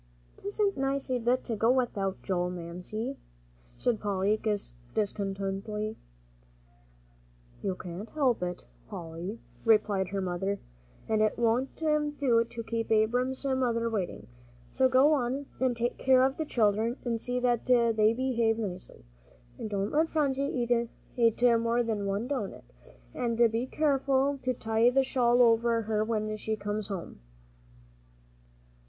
"Tisn't nice a bit to go without Joel, Mamsie," said Polly, disconsolately. "You can't help it, Polly," replied her mother, "and it won't do to keep Abram's mother waiting. So go on, and take care of the children, and see that they behave nicely. And don't let Phronsie eat more than one doughnut. And be careful to tie the shawl over her when she comes home."